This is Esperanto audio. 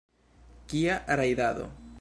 Kia rajdado?